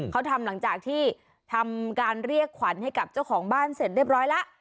เขาทำหลังจากที่ทำการเรียกขวัญให้กับเจ้าของบ้านเสร็จเรียบร้อยแล้ว